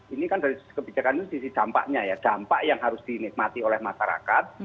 ini kan dari sisi kebijakan ini sisi dampaknya ya dampak yang harus dinikmati oleh masyarakat